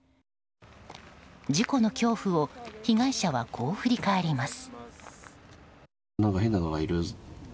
事故の恐怖を、被害者はこう振り返ります。